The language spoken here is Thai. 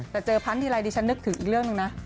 แต่เจอพันธ์ทีไรดิฉันนึกถึงอีกเรื่องหนึ่งนะ